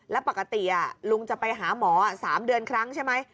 แล้วปกติลุงจะไปหาหมอ๓เดือนครั้งใช่ไหม